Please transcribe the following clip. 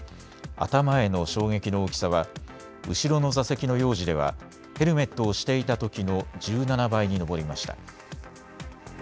頭への衝撃の大きさは後ろの座席の幼児ではヘルメットをしていたときの１７倍に上りました。